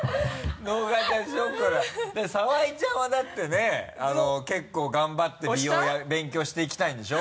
澤井ちゃんはだってね結構頑張って美容勉強していきたいんでしょ？